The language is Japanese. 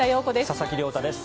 佐々木亮太です。